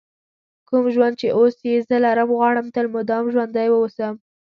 کوم ژوند چې اوس یې زه لرم غواړم تل مدام ژوندی ووسم.